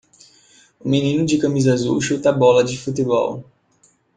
O menino de camisa azul chuta a bola de futebol.